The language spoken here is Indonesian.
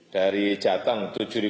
dari jateng tujuh empat ratus